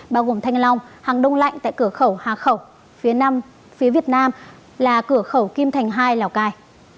bao gồm thanh long hàng đông lạnh tại cửa khẩu hà khẩu phía việt nam là cửa khẩu kim thành hai lào cai